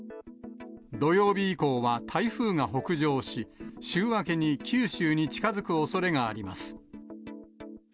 土曜日以降は台風が北上し、週明けに九州に近づくおそれがあります。